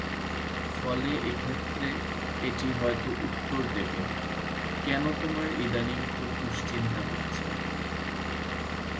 ফলে এক্ষেত্রে সেটি হয়ত উত্তর দেবে "কেন তোমার ইদানীং খুব দুশ্চিন্তা হচ্ছে?"